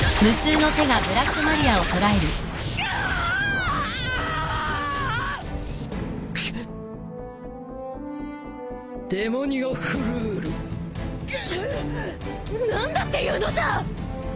ぐっ何だっていうのさ！